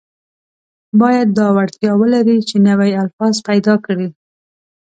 باید دا وړتیا ولري چې نوي الفاظ پیدا کړي.